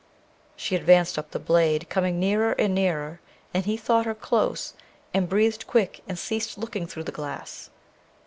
She advanced up the blade, coming nearer and nearer; and he thought her close, and breathed quick and ceased looking through the glass.